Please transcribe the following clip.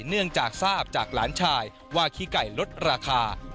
เนื่องจากทราบจากหลานชายว่าขี้ไก่ลดราคา